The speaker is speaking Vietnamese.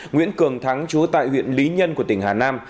nguyễn cường thắng chú tại huyện lý nhân của tỉnh hà nam